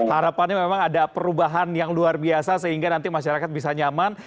harapannya memang ada perubahan yang luar biasa sehingga nanti masyarakat bisa nyaman